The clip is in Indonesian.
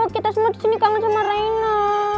kita semua disini kangen sama reina